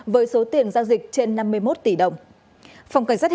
với số tiền giao dịch trên năm mươi một tỷ đồng